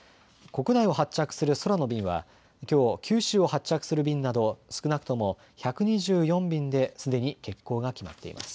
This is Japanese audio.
国内を発着する空の便はきょう九州を発着する便など少なくとも１２４便ですでに欠航が決まっています。